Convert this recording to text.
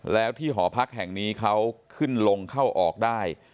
แล้วที่หอพักแห่งนี้เขาขึ้นลงเข้าออกได้